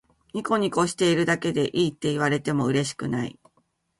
ニコニコしているだけでいいって言われてもうれしくない